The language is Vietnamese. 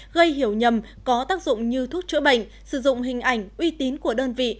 gây hiểu nhầm có tác dụng như thuốc chữa bệnh sử dụng hình ảnh uy tín của đơn vị